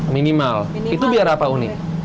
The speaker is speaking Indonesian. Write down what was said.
minimal itu biar apa unik